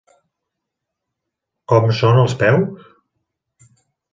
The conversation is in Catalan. Com són els peus?